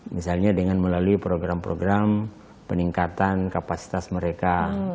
misalnya dengan melalui program program peningkatan kapasitas mereka